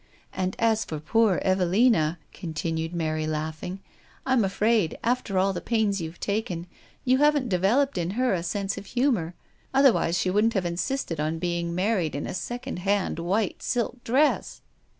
And as for poor Evelina," con tinued Mary, laughing, " Fm afraid, after all the pains youVe taken, you haven't developed in her a sense of humour. Otherwise she wouldn't have insisted on being married in a second hand white silk dress."